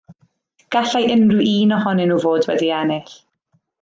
Gallai unrhyw un ohonyn nhw fod wedi ennill.